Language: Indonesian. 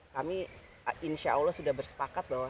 kami insya allah sudah bersepakat bahwa